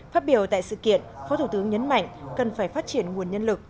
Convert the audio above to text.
phát biểu tại sự kiện phó thủ tướng nhấn mạnh cần phải phát triển nguồn nhân lực